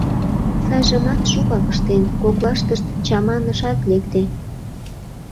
Сайжымат шукак ыштен, — коклаштышт чаманышат лекте.